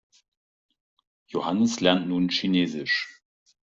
Johannes lernt nun Chinesisch.